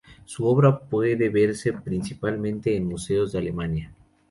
Su obra puede verse, principalmente, en museos de Alemania.